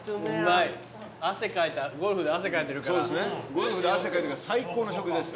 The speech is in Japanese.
ゴルフで汗かいてるから最高の食事です。